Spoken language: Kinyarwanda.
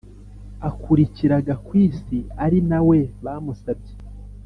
Akurikira gakwisi ari na we bamusabye